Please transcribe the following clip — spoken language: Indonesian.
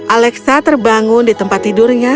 alexa terbangun di tempat tidurnya